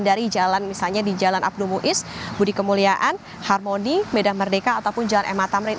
dari jalan misalnya di jalan abdumu is budi kemuliaan harmony medan merdeka ataupun jalan m a tamrin